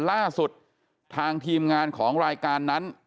ล่าสุดทางทีมงานของรายการนั้น